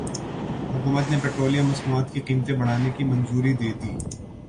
حکومت نے پیٹرولیم مصنوعات کی قیمتیں بڑھانے کی منظوری دے دی